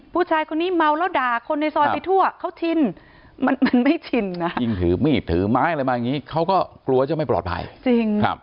ผู้ชายคนนี้เมาแล้วด่าคนในซอยไปทั่วเขาชินมันไม่ชินนะยิ่งถือมีดถือไม้อะไรมาอย่างนี้เขาก็กลัวจะไม่ปลอดภัยจริง